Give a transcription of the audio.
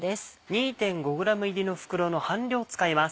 ２．５ｇ入りの袋の半量使います。